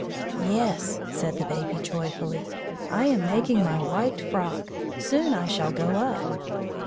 "Yes," said the Baby joyfully; "I am making my white frock. Soon I shall go up."